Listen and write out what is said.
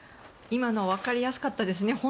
今の分かりやすかったですね。